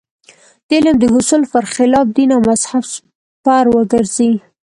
د علم د حصول پر خلاف دین او مذهب سپر وګرځي.